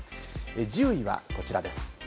１０位はこちらです。